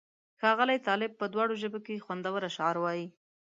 ښاغلی طالب په دواړو ژبو کې خوندور اشعار وایي.